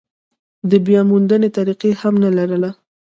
د بیاموندنې طریقه هم نه لرله.